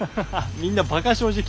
みんなバカ正直。